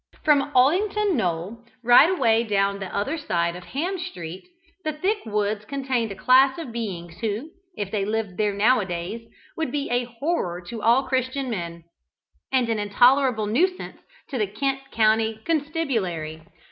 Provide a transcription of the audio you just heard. From Aldington Knoll, right away down to the other side of Ham street, the thick woods contained a class of beings who, if they lived there nowadays, would be a horror to all Christian men, and an intolerable nuisance to the Kent County Constabulary.